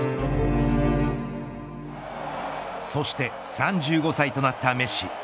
そして３５歳となったメッシ。